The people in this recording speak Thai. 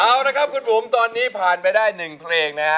เอาละครับคุณบุ๋มตอนนี้ผ่านไปได้๑เพลงนะฮะ